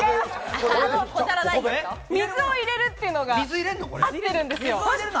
水を入れるっていうのはあってるんですよ。